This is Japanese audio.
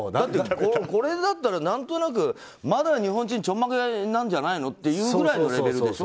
これだったら何となくまだ日本人ちょんまげなんじゃないのっていうくらいのレベルでしょ。